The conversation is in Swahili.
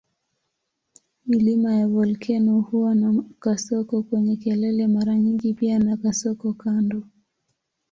Milima ya volkeno huwa na kasoko kwenye kelele mara nyingi pia na kasoko kando.